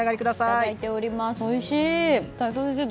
いただいております。